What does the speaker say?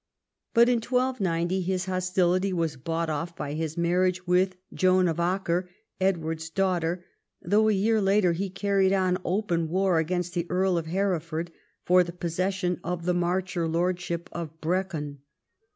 But in 1290 his hostility was bought ofT by his marriage with Joan of Acre, Edward's daughter, though a year later he carried on open war against the Earl of Hereford for the possession of the Marcher lordship of Brecon.